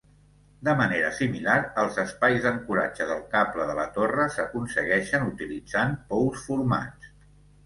De manera similar, els espais d'ancoratge del cable de la torre s'aconsegueixen utilitzant pous formats.